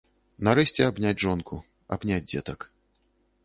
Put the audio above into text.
Нарэшце абняць жонку, абняць дзетак.